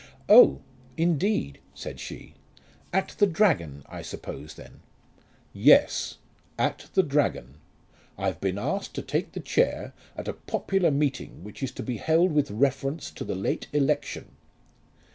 "Oh, indeed," said she. "At the Dragon, I suppose then." "Yes; at the Dragon. I've been asked to take the chair at a popular meeting which is to be held with reference to the late election."